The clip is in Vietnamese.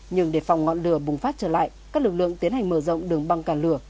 nhưng để phòng ngọn lửa bùng phát trở lại các lực lượng tiến hành mở rộng đường băng cản lửa